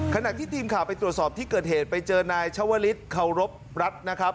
ขณะที่ทีมข่าวไปตรวจสอบที่เกิดเหตุไปเจอนายชาวลิศเคารพรัฐนะครับ